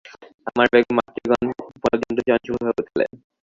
আমার বেগম মাতৃগণ পর্যন্ত চঞ্চল হইয়া উঠিলেন।